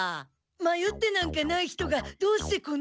迷ってなんかない人がどうしてこんな所に？